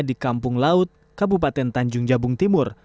di kampung laut kabupaten tanjung jabung timur